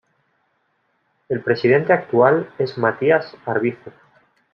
El Presidente actual es Matías Arbizu.